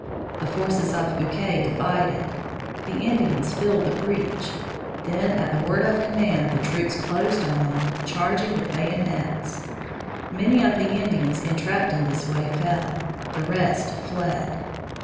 The forces of Bouquet divided; the Indians filled the breach. Then at the word of command the troops closed on them, charging with bayonets. Many of the Indians entrapped in this way fell; the rest fled.